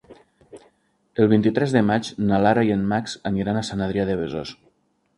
El vint-i-tres de maig na Lara i en Max aniran a Sant Adrià de Besòs.